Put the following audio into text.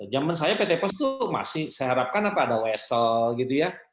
jaman saya pt pos itu masih saya harapkan ada wessel gitu ya